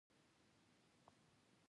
زه باید تعلیم وکړم.